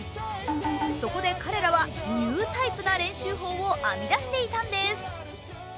そこで彼らはニュータイプな練習法を編み出していたんです。